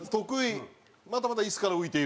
またまた椅子から浮いていると。